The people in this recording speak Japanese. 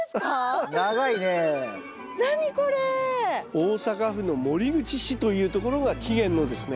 大阪府の守口市というところが起源のですね